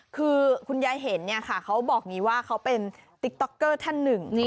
คือคุณยายเห็นเนี่ยค่ะเขาบอกอย่างนี้ว่าเขาเป็นติ๊กต๊อกเกอร์ท่านหนึ่ง